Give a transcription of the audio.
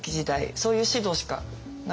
そういう指導しかなくって。